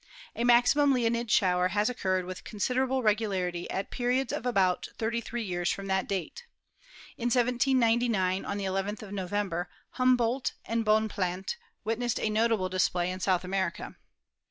A maximum Leonid shower has occurred with considerable regularity at periods of about 33 years from that date. In 1799, on Fig 37 — The History of the Leonids. the nth of November, Humboldt and Bonplandt witnessed a notable display in South America.